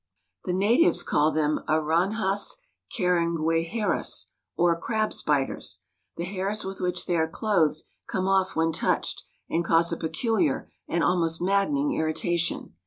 The natives call them Aranhas carangueijeiras, or crab spiders. The hairs with which they are clothed come off when touched, and cause a peculiar and almost maddening irritation.